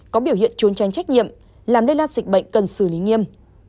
có biểu hiện trốn tránh trách nhiệm làm nên là dịch bệnh cần xử lý nghiêm